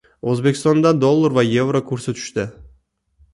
O‘zbekistonda dollar va yevro kursi tushdi